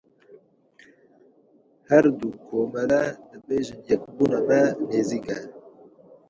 Her du Komele dibêjin yekbûna me nêzîk e.